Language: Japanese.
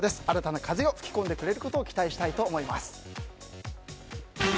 新たな風を吹き込んでくれることを期待したいと思います。